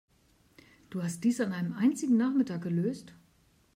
Du hast dies an einem einzigen Nachmittag gelöst?